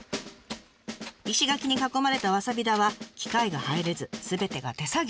石垣に囲まれたわさび田は機械が入れずすべてが手作業。